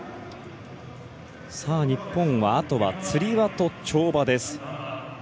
日本は、あとはつり輪と跳馬です。